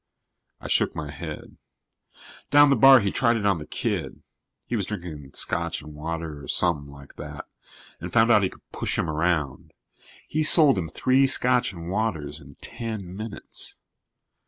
I shook my head. Down the bar, he tried it on the kid he was drinking scotch and water or something like that and found out he could push him around. He sold him three scotch and waters in ten minutes.